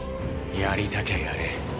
やりたきゃやれ。